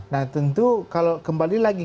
nah tentu kalau kembali lagi